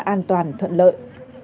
an toàn thuận lợi